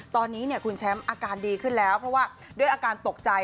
ตอนนี้คุณแชมป์อาการดีขึ้นแล้วเพราะว่าด้วยอาการตกใจ